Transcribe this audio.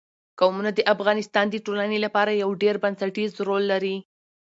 قومونه د افغانستان د ټولنې لپاره یو ډېر بنسټيز رول لري.